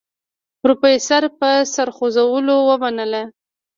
پروفيسر په سر خوځولو ومنله.